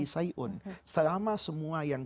selama semua yang